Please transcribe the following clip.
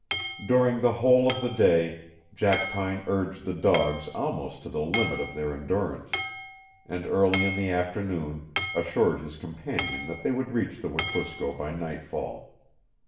During the whole of the day Jackpine urged the dogs almost to the limit of their endurance, and early in the afternoon assured his companion that they would reach the Wekusko by nightfall.